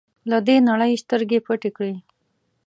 له دې نړۍ سترګې پټې کړې.